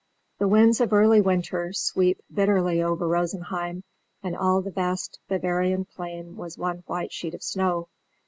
The winds of early winter sweep bitterly over Rosenheim, and all the vast Bavarian plain was one white sheet of snow.